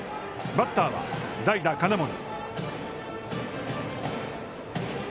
バッターは代打金森。